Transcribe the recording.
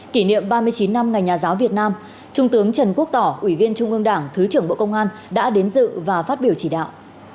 kỷ niệm ba mươi chín năm ngày nhà giáo việt nam trung tướng trần quốc tỏ ủy viên trung ương đảng thứ trưởng bộ công an đã đến dự và phát biểu chỉ đạo